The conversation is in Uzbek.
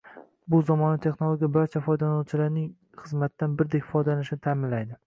Bu zamonaviy texnologiya barcha foydalanuvchilarning xizmatdan birdek foydalanishini ta’minlaydi